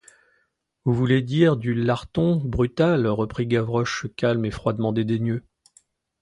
Vous voulez dire du larton brutal, reprit Gavroche, calme et froidement dédaigneux.